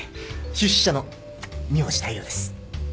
出資者の三星大陽です。